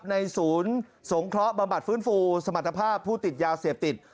ในศูนย์สงเคราะห์บำบัดฟื้นฟูสมรรถภาพผู้ติดยาเสพติด